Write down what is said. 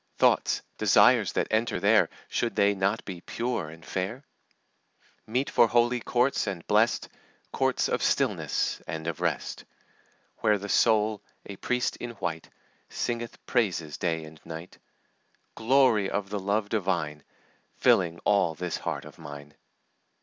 Thoughts, desires, that enter there, Should they not be pure and fair? Meet for holy courts and blest, Courts of stillness and of rest, Where the soul, a priest in white, Singeth praises day and night; Glory of the love divine, Filling all this heart of mine."